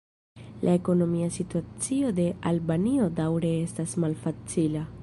La ekonomia situacio de Albanio daŭre estas malfacila.